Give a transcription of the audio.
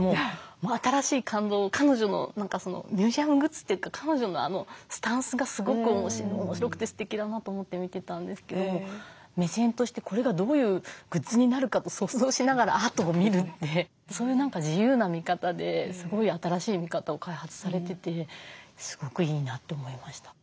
新しい感動彼女のミュージアムグッズというか彼女のスタンスがすごく面白くてすてきだなと思って見てたんですけども目線としてこれがどういうグッズになるかと想像しながらアートを見るってそういう自由な見方ですごい新しい見方を開発されててすごくいいなって思いました。